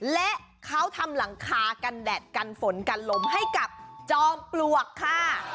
และเขาทำหลังคากันแดดกันฝนกันลมให้กับจอมปลวกค่ะ